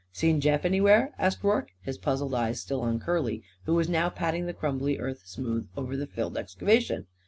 "Seen Jeff, anywhere?" asked Rorke, his puzzled eyes still on Curly, who was now patting the crumbly earth smooth over the filled excavation.